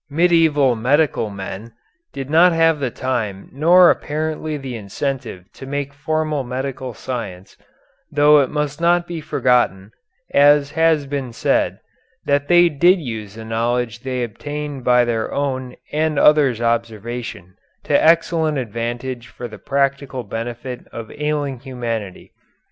Medieval medical men did not have the time nor apparently the incentive to make formal medical science, though it must not be forgotten, as has been said, that they did use the knowledge they obtained by their own and others' observation to excellent advantage for the practical benefit of ailing humanity.